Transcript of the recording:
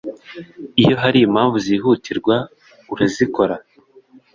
iyo hari impamvu zihutirwa urazikora